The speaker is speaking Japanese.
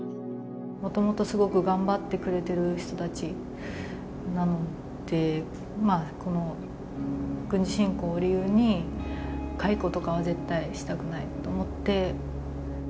もともとすごく頑張ってくれてる人たちなので、軍事侵攻を理由に解雇とかは絶対したくないと思って。